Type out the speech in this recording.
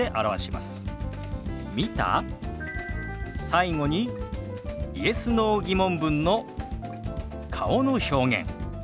最後にＹｅｓ／Ｎｏ−疑問文の顔の表現。